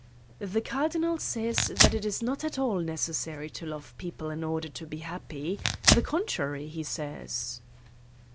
"The Cardinal says that it is not at all neces sary to love people in order to be happy. ... The contrary, he says!"